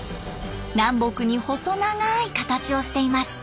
南北に細長い形をしています。